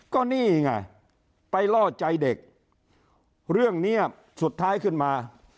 ก็นี่ไงไปล่อใจเด็กเรื่องนี้สุดท้ายขึ้นมา